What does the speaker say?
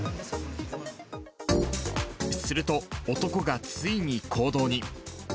すると、男がついに行動に。